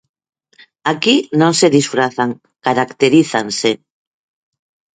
Aquí non se disfrazan, caracterízanse.